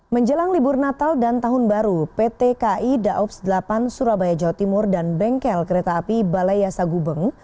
menjelang libur natal dan tahun baru pt kai daops delapan surabaya jawa timur dan bengkel kereta api balai yasa gubeng